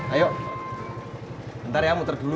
ayo ntar ya muter dulu